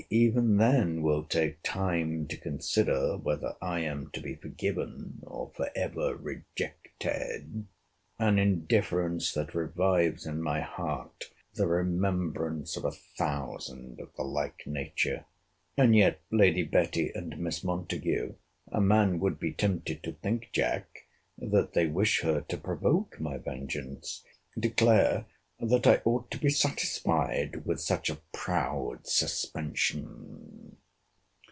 Why even then will take time to consider, whether I am to be forgiven, or for ever rejected. An indifference that revives in my heart the remembrance of a thousand of the like nature.—And yet Lady Betty and Miss Montague, [a man would be tempted to think, Jack, that they wish her to provoke my vengeance,] declare, that I ought to be satisfied with such a proud suspension!